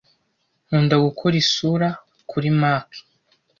Nkunda gukora isura kuri Mack .